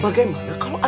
pengajian pakai seragam